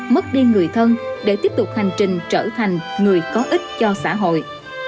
mất đi người thân để tiếp tục hành trình trở thành người có ích cho xã hội